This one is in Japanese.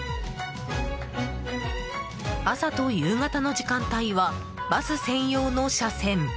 朝と夕方の時間帯はバス専用の車線。